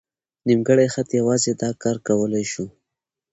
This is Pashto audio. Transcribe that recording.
نیمګړی خط یوازې دا کار کولی شو.